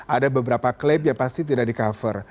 ada beberapa klaim yang pasti tidak di cover